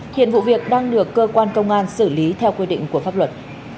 hiện vụ việc đang được cơ quan công an xử lý theo quy định của pháp luật